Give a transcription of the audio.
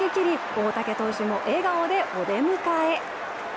大竹投手も笑顔でお出迎え。